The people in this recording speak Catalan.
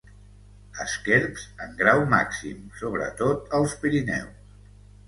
Esquerps en grau màxim, sobretot als Pirineus.